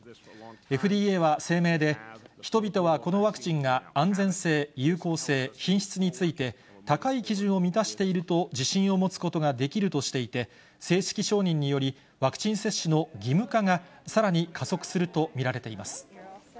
ＦＤＡは声明で、人々はこのワクチンが安全性、有効性、品質について、高い基準を満たしていると自信を持つことができるとしていて、正式承認により、ワクチン接種の義務化がさらに加速すると見られています。